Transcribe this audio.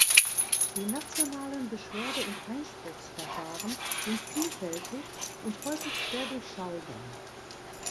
Die nationalen Beschwerde- und Einspruchsverfahren sind vielfältig und häufig schwer durchschaubar.